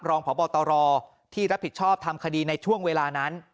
รองพบตรที่รับผิดชอบทำคดีในช่วงเวลานั้น